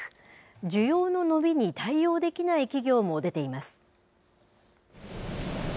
需要の伸びに対応できない企業も出ています。